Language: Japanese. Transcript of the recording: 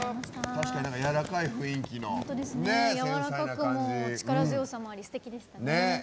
確かにやわらかい雰囲気の力強さもありすてきでしたね。